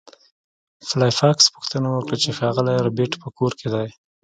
سلای فاکس پوښتنه وکړه چې ښاغلی ربیټ په کور کې دی